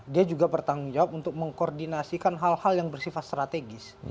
dia juga bertanggung jawab untuk mengkoordinasikan hal hal yang bersifat strategis